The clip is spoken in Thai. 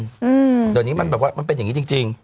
เดี๋ยวนี้มันแบบว่ามันเป็นอย่างนี้จริงจริง